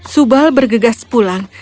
subal bergegas pulang